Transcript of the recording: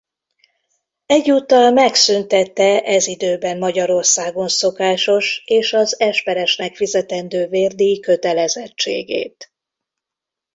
Egyúttal megszüntette ez időben Magyarországon szokásos és az esperesnek fizetendő vérdíj kötelezettségét.